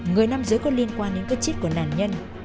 người nam giới có liên quan đến cái chết của nạn nhân